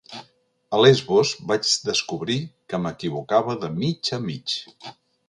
A Lesbos vaig descobrir que m'equivocava de mig a mig.